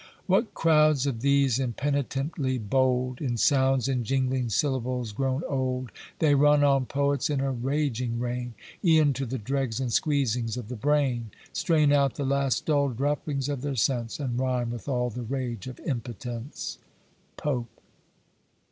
What crowds of these impenitently bold, In sounds and jingling syllables grown old, They run on poets, in a raging rein, E'en to the dregs and squeezings of the brain: Strain out the last dull droppings of their sense, And rhyme with all the rage of impotence. POPE.